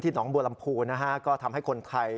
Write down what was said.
หนองบัวลำพูนะฮะก็ทำให้คนไทย